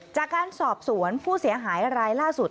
จากการสอบสวนผู้เสียหายรายล่าสุด